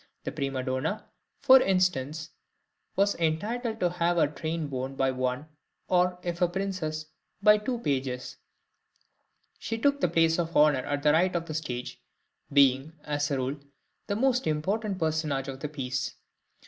The prima donna, for instance, was entitled to have her train borne by one, or if a princess, by two pages; she took the place of honour at the right of the stage, being, as a rule, the most important personage of the piece.